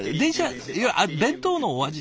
いや弁当のお味